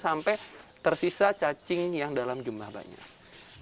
sampai tersisa cacing yang dalam jumlah banyak